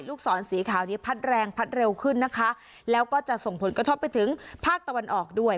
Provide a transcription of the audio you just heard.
ลูกศรสีขาวนี้พัดแรงพัดเร็วขึ้นนะคะแล้วก็จะส่งผลกระทบไปถึงภาคตะวันออกด้วย